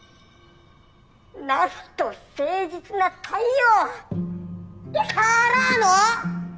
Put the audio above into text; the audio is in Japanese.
なんと誠実な対応！からの！